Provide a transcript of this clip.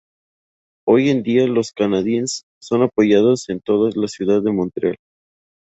Hoy en día los Canadiens son apoyados en toda la ciudad de Montreal.